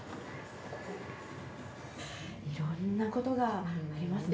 いろんなことがありますもんね